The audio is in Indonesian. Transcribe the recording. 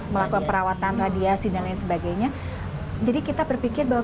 keadaan gaya jambar bergerak ini diinisiasi dari komunitas ya ibu cinta ya